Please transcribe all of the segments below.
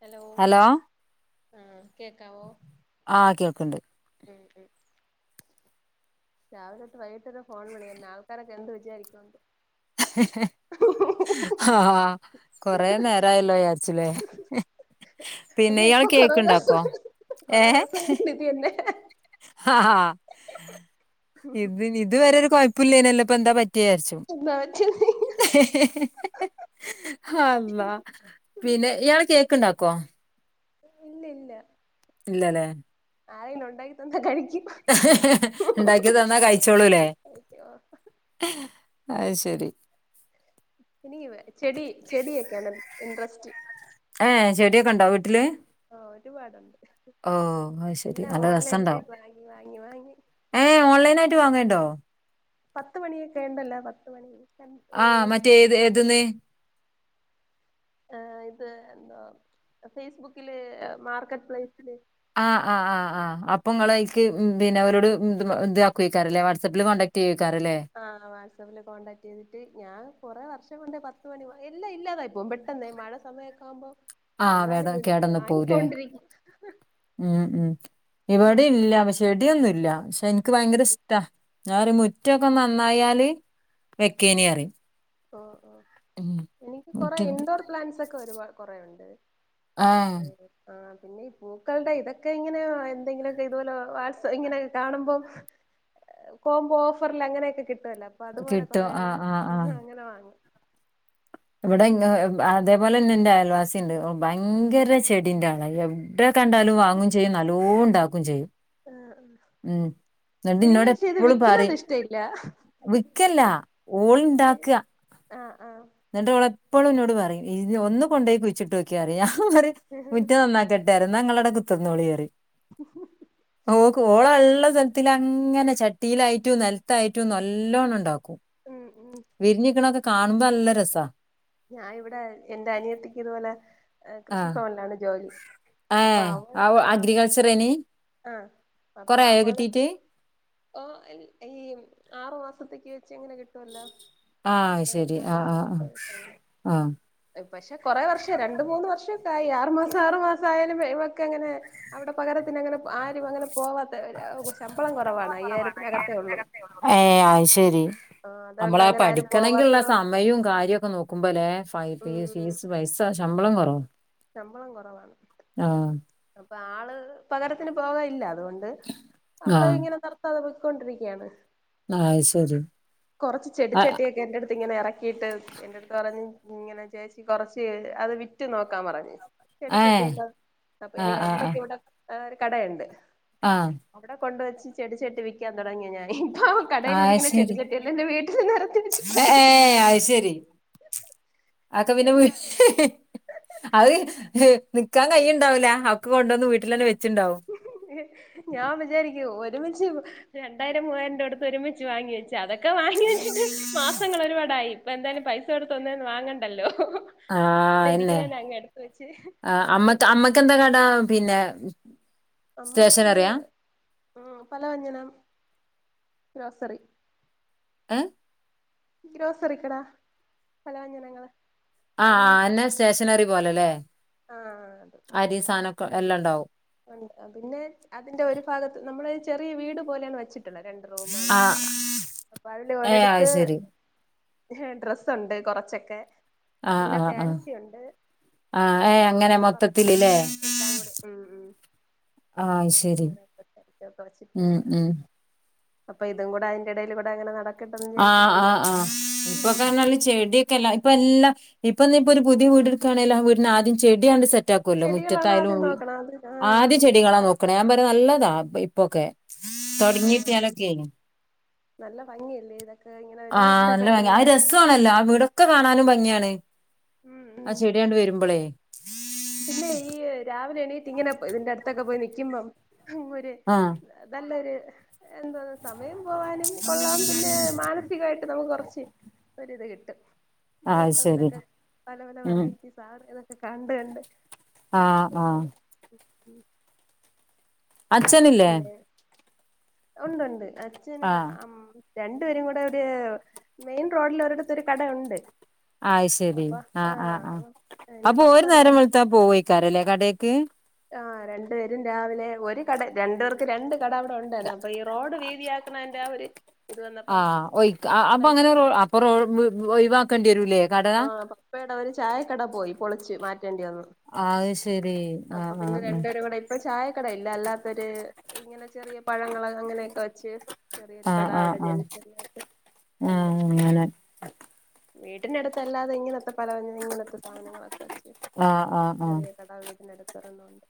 Hello hello ആ കേക്കാവോ ആഹ് കേൾക്ക്ണ്ട് ഉം ഉം രാവിലൊട്ട് വൈകിട്ടരെ ഫോൺ വിളി എന്നെ ആൾക്കാരൊക്കെ എന്ത് വിചാരിക്കും ഹ ഹ കൊറേ നേരായല്ലോ വിചാരിച്ചിലേ അല്ല പിന്നെ ഇയാള് ഇപ്പൊ കൊറേ ദിവസം കേക്കുണ്ടാക്കോ ഏ കൊറേ ദിവസം കൊണ്ട് ഇത് എന്നെ ഹ ഹാ ഇത് ഇത് വരെ ഒരു കൊയപ്പില്ലേന്നലോ പ്പ എന്താ പറ്റിയേ വിചരിച്ചു [unintelligible] ഹള്ളാ പിന്നെ ഇയാള് കേക്ക് ണ്ടാക്കോ? ഇല്ല ഇല്ല ഇല്ലലേ ആരേലും ഉണ്ടാക്കി തന്ന കഴിക്കും ഇണ്ടാക്കി തന്നാ കഴിച്ചോളൂല്ലേ കഴിക്കോ അയ്ശരി എനി ഇവെ ചെടി ചെടിയൊക്കെയാണ് ഇൻട്രസ്റ്റ് ഏ ചെടിയൊക്കെ ഉണ്ടോ വീട്ടില് ഓ ഒരുപാടുണ്ട് ഓഹ് അത് ശരി എല്ലാം നല്ല ഓൺലൈൻ വഴി വാങ്ങി വാങ്ങി വാങ്ങി ഏഹ ഓൺലൈനായിട്ട് വാങ്ങല്ണ്ടോ? പത്ത് മണിയൊക്കെ ഉണ്ടല്ലോ പത്ത് മണി ആ മറ്റേ ഏത് ഏത് ന്ന്? ആ ഇത് എന്താ ഫേസ്ബുക്കില് മാർക്കറ്റ് പ്ലേസില് ആ ആ ആ ആ അപ്പൊ ഇങ്ങള് അയ്ക്ക് പിന്നെ അവരോട് ഇത് ഇതാക്കു അയ്ക്കാരം ലേ വാട്സആപ്പിൽ കോണ്ടാക്ട് ക്റ്റ് യ്യോക്കാരല്ലേ ആ വാട്സ്ആപ്പില് കോൺടാക്ട് ചെയ്തിട്ട് ഞാൻ കുറെ വർഷം കൊണ്ട് പത്ത് മണി എല്ലാം ഇല്ലാതായി പോവും പെട്ടെന്ന് മഴ സമയൊക്കെ ആവുമ്പോ ആഹ് വേട എന്നാലും വിടില്ല കേടന്ന് പോവുല്ലേ വാങ്ങിക്കൊണ്ടിരിം ഉം ഉം ഇവടില്ല പക്ഷെടിയൊന്നൂല്ല പക്ഷെ ഇനിക്ക് ഉം ഭയങ്കരിഷ് ട്ടാ ഞാ പറി മുറ്റൊക്കെ നന്നായാല് വെക്കേനി അറിം ഓ ഓ എനിക്ക് കുറേ മുറ്റത്ത് ഇൻഡോർ പ്ലാന്റ്സ് ഒക്കെ ഒരുപാ കുറേ ഒണ്ട് ആഹ് ഏ ആ പിന്നെ ഈ പൂക്കളുടെ ഇതൊക്കെ ഇങ്ങനെയ എന്തെങ്കിലൊക്കെ ഇതുപോലെ വാട്സ് ഇങ്ങനൊക്കെ കാണുമ്പോം കോംബോ ഓഫറിൽ അങ്ങനെയൊക്കെ കിട്ടുവല്ലോ അപ്പൊ അതുപോലെ കിട്ടും കൊറെ അങ്ങ് ആഹ് ആഹ് ആഹ് അങ്ങനെ വാങ്ങും ഇവിടെ ഇങ്ങേ അതേപോലെന്നെ ഇന്റെ അയൽവാസി ഇണ്ട് ഓ ഭയങ്കര ചെടിന്റെ ആളാ അൽഹം ടെ കണ്ടാലും വാങ്ങും ചെയ്യും നല്ലോ ഉണ്ടാക്കും ചെയ്യും ആഹ് ഉം എന്നിട്ട് എനിക്ക് ഇന്നോട് പക്ഷേ ഇത് എപ്പളും വിക്കുന്നത് പറയും ഇഷ്ടയില്ല വിക്കല്ല ആ ആ ഇന്നിട്ടോള് എപ്പളും ഇന്നോട് പറയും ഇജ്ജ് ഒന്ന് കൊണ്ടോയി കുയിച്ചിട്ടോക്ക്യാ റയും ഞാൻ പറിം മുറ്റം നന്നാക്ക തെരന്ന ഇങ്ങളവ്ടെ കുത്തർന്നോളിറിം ഹ [inaudible] ഓക്ക് ഓളള്ള സ്ഥൽത്തിലങ്ങനെ ചട്ടിയിലായിട്ടും നെൽത്തായിട്ടും നല്ലോണ്ണം ഉണ്ടാക്കും ഉം ഉം വിരിഞ്ഞിക്കണൊക്കെ കാണുമ്പോ നല്ല രസാ ഞാൻ ഇവിടെ എന്റെ അനിയത്തിക്ക്തുപോലെ ആ കൃഷിഭവനിലാണ് ജോലി ഏ അപ്പൊ അവൾ ആ അഗ്രികൾച്ചറേന് അഹ് അപ്പൊ കൊറേ ആയോ അവള് കിട്ടീട്ട് ഓ എൽ ഈ ആറു മാസത്തേക്ക് വെച്ച് എങ്ങനെ കിട്ടും ആഹ് ശരി ആഹ് ആഹ് ആഹ് മാസം വെച്ച് അങ്ങനെ ആഹ് പക്ഷെ കുറെ വർഷം രണ്ട് മൂന്ന് വർഷക്കായി ആറു മാസം ആറു മാസം ആയാലും വേവൊക്കെങ്ങനെ അവിടെ പകരത്തിനങ്ങനെ ആരും അങ്ങനെ പോവാത്ത ശമ്പളം കുറവാണ് അയ്യായിരത്തിനകത്തേ ഒള്ളൂ ഏഹ് അഹ് ശെരി നമ്മളാ അങ്ങനെ ആരും പഠിക്കണങ്കിള്ള പോവാത്തത് സമയും കാര്യക്കെ നോ കുമ്പല്ലേ ഫൈ ഉം ഫീസ് പൈസ ശമ്പളം കൊറവും ശമ്പളം കുറവാണ് അപ്പൊ ആള് പകരത്തിന് പോകാല്ല അതുകൊണ്ട് ആഹ് അവള്ങ്ങനെ നിർത്താതെ പോയ്ക്കൊണ്ടിരിക്കുയാണ് അയ് ശരി കുറച്ച് അഹ് ചെടിച്ചട്ടിയൊക്കെ എന്റെ അടുത്ത്ങ്ങന ഇറ ക്കിട്ട് എന്റെ അടുത്ത് പറഞ്ഞ് ഇങ്ങനെ ചേച്ചി കൊറച്ച് അത് വിറ്റ് നോക്കാൻ പറഞ് ഏഹ് ചെടിചെട്ടിയൊക്കെ അപ്പൊ ആഹ് എനിക്ക് ആഹ് ആഹ് അമ്മയ്ക്കവിടെ ഒരു കടയുണ്ട് ആഹ് അവിടെ കൊണ്ടുവെച്ച് ചെടിച്ചെട്ടി വിക്കാൻ തുടങ്ങി ഞാന് ഇപ്പ അത് കടയിലിരിക്കുന്ന ശരി. ചെടിച്ചെട്ടി എന്റെ വീട്ടിൽ നിരത്തി വെച്ചിട്ടുണ്ട് ഏഹ് അത് ശരി ആക്കെ പിന്നെ ചെടി വീ അത് നിക്കാൻ കയ്യ്ണ്ടാവൂലാ അക്കൊ കൊണ്ടന്ന് വീട്ടിലന്നെ വെച്ചുണ്ടാവും [inaudible] ഞാൻ വിചാരിക്കു ഒരുമിച്ച് രണ്ടായിരം മൂവായിരം രൂപ കൊടുത്ത് ഒരുമിച്ച് വാങ്ങി വെച്ച അതൊ ക്കെ വാങ്ങി വെച്ചിട്ട് മാസങ്ങൾ ഒരുപാടായി ഇപ്പൊ എന്തായാലും പൈസ കൊടുത്ത് ഒന്ന് വാങ്ങണ്ടല്ലോ ആഹ് അവിടെ അതെന്നെ. ഇരിക്കുന്നന്നെ അങ്ങ് എടുത്തവെച്ച് ചെടി ഇപ്പെന്ത കട പിന്നെ അമ്മക്ക് സ്റ്റേഷനറിയാ? പലവഞ്ഞന ഗ്രോസറി ഏഹ് ഗ്രോസറിക്കടാ ഫലവഞ്ചനങ്ങള് ആ ആന്നെ സ്റ്റേഷനറി പോലെല്ലേ ആഹ് അരി സാനക്കെ എല്ലണ്ടാവും ഉണ്ട് പിന്നെ അതിന്റെ ഒരു ഭാഗത്ത് നമ്മള് ചെറിയ വീട് പോലെണ് വെച്ചി ട്ടുള്ളെ രണ്ട് റൂമും ആഹ് അങ്ങനെയൊക്കെ അപ്പൊ അതില് ഏഹ് അത് ഒരിടത്ത് ശരി. ഡ്രസ്ണ്ട് കുറച്ചൊക്കെ ആഹ് പിന്നെ ആഹ് ആഹ് ഫാൻസിയുണ്ട് ആഹ് ഏഹ് അങ്ങനെ മൊത്തത്തില്ല്ലേ എല്ലാം ആഹ് ശരി ഇങ്ങനെ ഉം വെച്ചിട്ടുള്ള ഉം അപ്പൊതും കൂടെ അയിന്റെടൽ കൂടെങ്ങനെ നടക്ക ആഹ് ആഹ് ആ ഇപ്പൊക്കെർഞാല് ചെടി ഇപ്പല്ലാം ഇപ്പൊന്ന ഇപ്പൊരു പുതിയ വീട് ഇട്ക്കാണേല് ആ വീടിനാദ്യം ചെടിയണ്ട് സെ റ്റാക്കുല്ലോ ചെടികളാണ് മുറ്റത്തായാലും ആദ്യം നോക്കണത് ആദ്യ ആഹ് ചെടികളാ നോക്കണ ഞാൻ പറയാ നല്ലതാ ഇപ്പൊക്കെ ആഹ് തൊടങ്ങിയിട്ടിയാലൊക്കെ നല്ല ഭംഗിയല്ലേ ഇതൊക്കെങ്ങനെ ഒരു വീടിന്റെ ഫ്രെണ്ടിലൊക്കെ ആണല്ലോ ആ വീടൊക്കെ കാണാനും ഭംഗിയാണ് ഉം ആ ഉം ചെടിയാണ്ട് വരുമ്പോളേ പിന്നെ ഈ രാവിലെ എണീട്ടങ്ങനെതിന്റെ അടുത്തൊക്കെ നൽക്കുമ്പോ അങ്ങൊരു ആഹ് നല്ലൊരു എന്താ സമയം പോവാനും കൊള്ളാം പിന്നെ മാനസികമായിട്ട് നമുക്ക് കുറച്ച് ഒരുത് കിട്ടും അത് ശരി പൂക്കളതൊക്കെ പല പല ഉം വെറൈറ്റീസ് ആതൊക്കെ കണ്ട്കണ്ട് ആഹ് ആഹ് അങ്ങനെ [unintelligible] അച്ഛനില്ലേ പിന്നെ ഉണ്ട്ണ്ട് അച്ഛന് ആഹ് അം രണ്ട്പേരുംകൂടെ ഒരു മെയിൻ റോഡിൽ ഒരിടത്ത് ഒരു കടഉണ്ട് ആയ്ശരി ആഹ് ആഹ് എന്റെ അപ്പൊ പപ്പ ഒരു നേരത്തെ നേരം വേളുത്താ പോവേക്കാരല്ലേ കടക്ക് അഹ് രണ്ടു പേരും രാവിലെ ഒരു കട രണ്ടർ രണ്ട് കട അവിടെ ഉണ്ടാന്ന് അപ്പൊ ഈ റോഡ് വീതിയക്കണന്റെ അ ഒര് ആഹ് ഒയ്ക്ക അ അപ്പൊ അങ്ങനെ അപ്പൊ റൊ ഒഴിവാക്കേണ്ടി വരൂലേ കട [unintelligible] ഒരു ചായക്കട പോയി പൊളിച്ച് മാറ്റേണ്ടി വന്നു അയ് ശെരി അപ്പൊ ആഹ് പിന്നെ ആഹ് രണ്ടുപേരും കൂടെ ഇപ്പൊ ചായകട ഇല്ല അല്ലാത്തൊര് ഇങ്ങനെ ചെറിയ പഴങ്ങള് അങ്ങനെയൊക്കെ വെച്ച് ചെറിയൊരു ആഹ് കട ആഹ് അവിടെ ജൻ ആഹ് [unintelligible] ഉണ്ട് ആഹ് അങ്ങനെ വീട്ടിന്റെടുത്ത് അല്ലാതെ ഇങ്ങനത്തെ പലവെഞ്ചന ഇങ്ങനത്തെ സാധനങ്ങളൊക്കെ വെച്ച് ആഹ് ആഹ് ആഹ് ചെറിയ കട വീടിന് അടുത്തോരണം ഉണ്ട്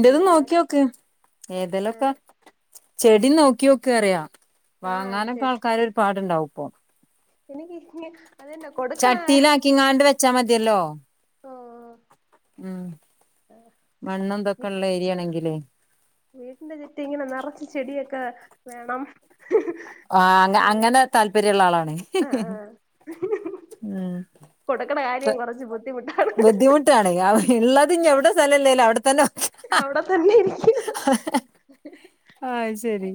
പിന്നെ ഇട നോക്കിയൊക്ക്‌ ഏതെലൊക്കെ ഏഹ് ചെടി നോക്കിയോക്ക്‌ അറിയാ ആഹ് വാങ്ങാനൊക്കെ ആൾക്കാര് ഒരു പാടുണ്ടാവും ഇപ്പൊ [unintelligible] ചട്ടിലാക്കിങ്ങാട് വെച്ചാമതിയല്ലോ ഓഹ് ഉം മണ്ണും ഇതൊക്കെള്ളഏരിയണെങ്കില് വീട്ടിന്റെ ചുറ്റും ഇങ്ങനെ നറച്ച് ചെടിയൊക്കെ വേണം ആഹ് അങ്ങനെ താല്പര്യം ഉള്ള ആളാണ് ഹി ആഹ് ഹി ആഹ് ഉം കൊടുക്ക്ണെ കാര്യം കൊറച്ച് ബുദ്ധിമുട്ടാണ് ബുദ്ധിമുട്ടാണ് അവ ഇള്ളത് ഇഞ്ഞവിടെ സ്ഥലഇല്ലേലും അവിടെ ത്തന്നെ [unintelligible] അവിടതന്നെ ഇരിക്ക്യ അഹ് ശരി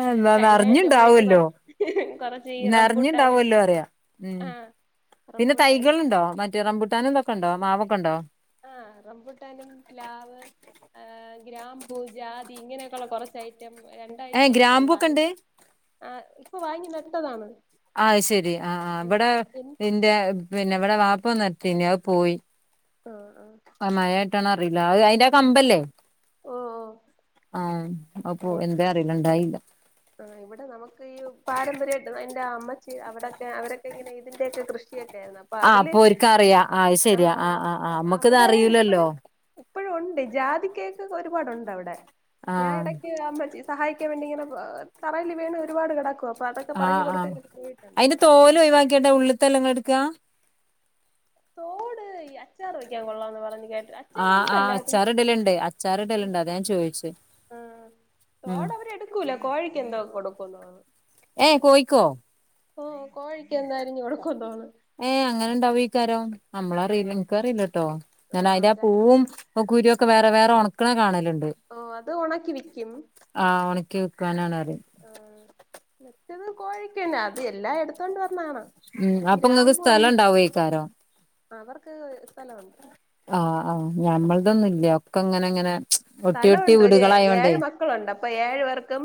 ആഹ് എന്ന കഴിഞ്ഞ ആഴ്ച പോയിട്ട് കൊറ നറിഞ്ഞുണ്ടാവോല്ലോ കൊറച്ച് ഈ റംബൂട്ടാനും നറിഞ്ഞിണ്ടാവോലോ അറിയ ഉം ആഹ് പിന്നെ റംബൂട്ടാനും തൈകളുണ്ടോ മറ്റേറമ്പുട്ടാനും ഇത്തൊക്കെ ഇണ്ടോ മാവൊക്കെ ഉണ്ടോ ആഹ് റബൂട്ടാനും പ്ലാവ് ഏ ഗ്രാമ്പു ജാതി ഇങ്ങനെയൊക്കെ ഉള്ള കൊറച്ച് ഐറ്റം ഏഹ് രണ്ടാഴ്ച്ചായി പോയി ഗ്രാമ്പൊക്കെ വാങ്ങി ഉണ്ട് ആ ഇപ്പോ വാങ്ങി നട്ടതാണ് അയ് ശെരി ആഹ് ആഹ് ഇവിടെ ഇന്റെ പിന്നെ ഇവിടെ വാപ്പ നട്ടീനിം അത് പോയി ആഹ് ആഹ് ആ മഴായിട്ടാണ് അറിയില്ല അഹ് അയിന്റെ കമ്പല്ലേ ഓഹ് ഓഹ് ആഹ് അപ്പോ എന്താ അറിയല്ല ഇണ്ടായില്ല ആഹ് ഇവിടെ നമുക്ക് ഈ പാരമ്പര്യമായിട്ട് എന്റെ അമ്മച്ചി അവിടൊക്കെ അവരൊക്കെ ഇങ്ങനെ ഇതിന്റെയൊക്കെ കൃഷിക്കെ ആയിരുന്നു അപ്പൊ ആഹ് അതില് അപ്പോ ഒര്ക്ക്‌ അറിയാം അയ് ആ ശരിയാ ആഹ് ആഹ് ആഹ് നമുക്ക്‌ ഇത് അവിടെ അറിയിലല്ലോ ഇപ്പഴും ഇപ്പഴും ഉണ്ട് ജാതികയൊക്കെ ഒരുപാടുണ്ട് അവിടെ ഞാൻ ആഹ് ഇടക്ക് അമ്മച്ചി സഹായിക്കാൻ വേണ്ടി ഇങ്ങനെ തറയിൽ വീണ് ഒരുപാട് കെട്ക്ക ആഹ് ആഹ് അയിന്റെ തോല് ഒഴിവാക്കിട്ടെ ഉള്ള്ത്തല്ലേ ഇങ്ങള് ഇട്ക്കാ തോട് ഈ അച്ചാർ വയ്ക്കാൻ കൊള്ളാംന്ന് പറഞ്ഞ് കേട്ട് ആഹ് ആഹ് അച്ചാറുണ്ടല്ലെ അത് അച്ചാറ് ഇടല്ണ്ട് അച്ചാറ് ഇടല്ണ്ട് അതാ ഞാൻ ചോയിച്ചേ ആഹ് ഉം തോടവരെട് ക്കൂലാ കോഴിക്ക് എന്തോ കൊടുക്കുംന്ന് പറഞ്ഞ് ഏഹ് കോയിക്കോ ഒാഹ് കോഴിക്ക് എന്തരിഞ്ഞ് കൊടുക്കുന്നോന്ന് ഏഹ് അങ്ങനെ ഇണ്ടാവോയ്ക്കാരം നമ്മളറിയില്ല ആ ഇൻക്കറീലട്ടോ ഞാൻ അയ്ന്റെ ആ പൂവും ഇപ്പകുരൊക്കെ വേറെ വേറെ ഒണക്ക്ണെ കാണല്ണ്ട് ഓഹ് അത് ഒണക്കി വിക്കും ആഹ് ഒണക്കി വിക്കാനാണ്ന്ന്അറിം ആഹ് മറ്റെത് കോഴിക്കന്ന അത് എല്ലാം എടുത്തോണ്ട് വന്നാണാ ഉം അപ്പൊ ഇങ്ങക്ക് ഗ്രാമ്പു ഉൺ സ്ഥലം ഇണ്ടാവോയ്ക്കാരം അവർക്ക് സ്ഥലവൊണ്ട് ആഹ് ആഹ് ഞമ്മളതൊന്നുല്ല്യ ഒക്കെ ഇങ്ങനെങ്ങനെ ഒട്ടി ഒട്ടി സ്ഥലമുണ്ട് ഒരു വീട്കളായോണ്ടേ ഏഴ് മക്കളുണ്ട് അപ്പ ഏഴു പേർക്കും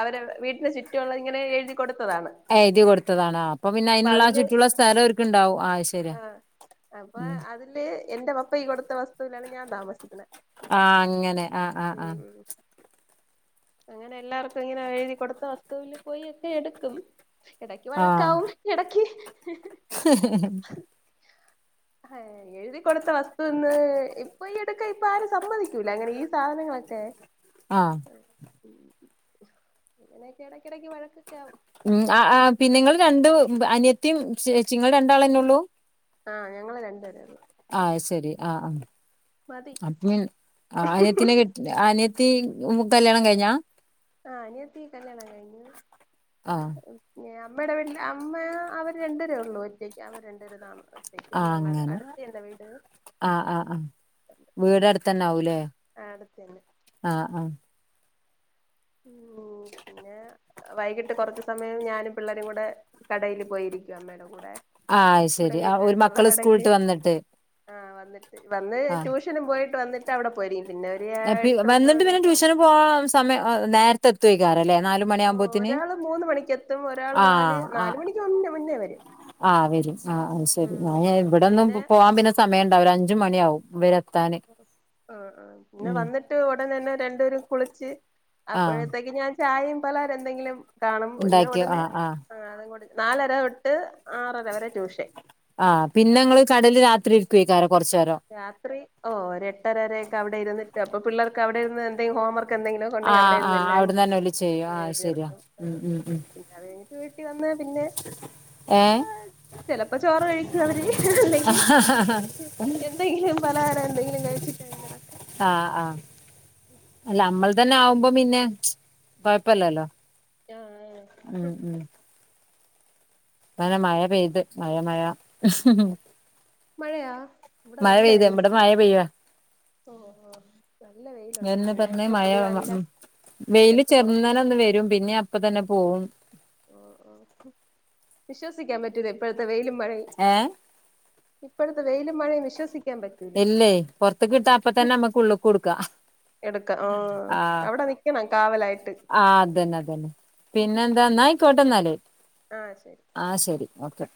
അവരെ വീട്ടിനു ചുറ്റുള്ളതിങ്ങനെ എഴുതി കൊടുത്തതാണ് എഴ്തി കൊടുത്തതാണാ അപ്പ പിന്നെ അപ്പൊ അയിനുള്ള അതില് ചുറ്റുള്ള സ്ഥലോഓര്ക്ക്ണ്ടാവും അഹ്ശര്യാ ആഹ് അപ്പൊ അതില് എന്റെ പപ്പയ് കൊടുത്ത വസ്തുവിലാണ് ഞാൻ താമസിക്കുന്നെ ആഹ് അങ്ങനെ ആഹ് ആഹ് ആഹ് അങ്ങനെ എല്ലാർക്കുങ്ങനെ എഴുതി കൊടുത്ത വസ്തുവില് പോയിക്കെ എടുക്കും എടക്ക് ആഹ് ആഹ് വഴക്കാവും എടക്ക് ഹാഹേയി എഴുതി കൊടുത്ത വസ്തൂന്ന്. ഇപ്പഎടുക്ക ഇപ്പ ആരും സമ്മതിക്കൂല അങ്ങനെ ഈ സാധനങ്ങളൊക്കെ ആഹ് ഉം അങ്ങനെയെക്കെ എടക്കെടക്ക് വഴക്കൊക്കെ ആവും ഉം ആഹ് ആഹ് പിന്നെ ഇങ്ങള് രണ്ട് അനിയത്തിം ചേച്ചിം ബങ്ങള് രണ്ടാളന്നെ ഒള്ളൂ ആഹ് ഞങ്ങള് രണ്ടുപേരെള്ളൂ ആഹ് അഹ്ശരി ആഹ് ആങ്ക് മതി അഡ്മിൻ അഹ് അനിയത്തിനെ കെ അനിയത്തീ മ് കല്യാണം കഴിഞ്ഞാ ആഹ് അനിയത്തീ കല്യാണം കഴിഞ്ഞൂ ആഹ് ഞ്ഞാ അമ്മയുടെ വീട്ടില് അമ്മ അവര് രണ്ടുപേരേള്ളു ഒറ്റയ്ക്ക് അവര് രണ്ട്പേര് താ ആഹ് അങ്ങനെ ആഹ് ആഹ് ആഹ് ഉം വീട അട്ത്തന്നെവൂലേ അടുത്ത് തന്നെ ആഹ് ആഹ് ഇങ്ങോ പോണം പിന്നെ വൈകിട്ട് കൊർച് സമയം ഞാനും പിള്ളേരുകൂടെ കടയില് പോയിരിക്കും അമ്മേടെ കൂടെ ആഹ് ഇവിടെ അഹ്ശരി ആഹ് ഓര് വീടിനടുത്തുള്ള മക്കള് കടയില് സ്കൂള്ട്ട് വന്ന്ട്ട് ആഹ് വന്നിട്ട് വന്ന് ട്യൂഷനും പോയിട്ട് വന്നിട്ട് അവ്ടെ പോയിരിക്കും പിന്നെ ഒരു ഏയ്എട്ട് ഒൻപത് മണിയൊക്കെ ആവുമ്പോ പ്പോം സമയെ നേര്ത്തെത്തൊയ്ക്കാരംലേ നാലു ഓഹ് ഒരാള് മൂന്ന് മണിക്കെത്തും ഒരാള് നാല് ആഹ് ആഹ് നാല്മണിക്കുന്നേ മുന്നേ വരും ആഹ് വെരും ആഹ് അഹ്ശെരി ഉം ഞാന് ഇവടൊന്നും പിന്നെ പോവാൻ പിന്നെസ് സമയണ്ടാവുല അഞ്ചുമണിയാവും ഇവരെത്താന് ആഹ് ആഹ് പിന്നെ ഉം വന്നിട്ട് ഉടൻ തന്നെ രണ്ടുപേരും കുളിച്ച് ആഹ് അപ്പോഴത്തേക്ക് ഞാൻ ചായിം പലഹാരെ എന്തെങ്കിലും കാണും പിന്നെ ഉണ്ടാക്കിയ ഉടനെ ആഹ് ആഹ് നാലരതൊട്ട് ആറര വരെ ട്യൂഷൻ ആഹ് പിന്നെ ഇങ്ങള് കടല് രാത്രി ഇരികൊയ്ക്കാരം കൊർചേരം രാത്രി ഓഹ് ഒരുഎട്ടരവരേക്കെ അവ്ടെ ഇര്ന്നിട്ട് അപ്പൊ പിള്ളേർക്ക് അവ്ടെ ഇര്ന്ന് എന്തേം ഹോംവർക്ക്എന്തെങ്ങിലും കുണ്ടെങ്കി ആഹ് അവിടെര്ന്ന് ആഹ് എല്ലാം അവിടന്നന്നെ ഓല് ചെയ്യും ചെയ്ത് ആഹ് ശരിയാ തീർക്കും ഉം ഉം ഉം പിന്നെ അത് കഴിഞ്ഞിട്ട് വീട്ടിവന്ന്. പിന്നെ ഏഹ് ചെലപ്പോ ചോറ് കഴിക്കു അവര് അല്ലെങ്കി അഹ ഹ.. എന്തെങ്കിലും പലഹാര എന്തെങ്കിലും കഴിച്ചിട്ടങ്‌ കെടക്ക ആഹ് ആഹ് അല്ല അമ്മൾ തന്നെ ആവുമ്പോ പിന്നെ കൊഴപ്പല്ലല്ലോ. ഉം [unintelligible] അങ്ങനെ മയ പെയ്ത് മഴ മഴ മഴയാ ഇവിടെ മഴ നല്ല പെയ്ത് വെയില്. ഇവിടെ മഴ പെയ്യുവാ നല്ല വെയിലുണ്ട് അതെന്നെ ഇവിടെ ഞാൻ പറഞ് ഇപ്പൊ മഴ വ. തുണികളെല്ലാം വെയില് എടുത്ത് പുറത്തിട്ട് ചെറുന്നെനന്ന് വെരും. പിന്നിം അപ്പ തന്നെ പോവും. ആഹ് ആഹ് വിശ്വസിക്കാൻ പറ്റൂല. ഇപ്പഴത്തെ വെയിലും മഴയും. ഏഹ് ഇപ്പഴത്തെ വെയിലും മഴയും വിശ്വസിക്കാൻ പ ഇല്ലേയ് പൊർത്ത് കിട്ടാ അപ്പതന്നെ. അമ്മക്ക് ഉള്ളൂകുട്ക്കാ എടുക്ക ആ ആഹ് ആ അവിടെ നിക്കണം കാവലായിട്ട് ആതന്നെ അതന്നെ പിന്നെ. ഇന്നാ അയിക്കോട്ടെ ഇന്നാല്. ആ ശെരി. ആ ശരി ഓക്കെ